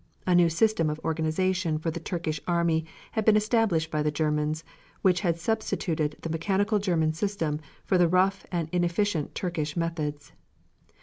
A new system of organization for the Turkish army had been established by the Germans, which had substituted the mechanical German system for the rough and inefficient Turkish methods.